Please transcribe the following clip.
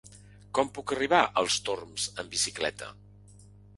Com puc arribar als Torms amb bicicleta?